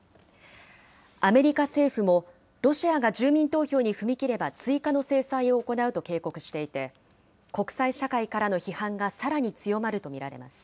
アメリカ政府も、ロシアが住民投票に踏み切れば追加の制裁を行うと警告していて、国際社会からの批判がさらに強まると見られます。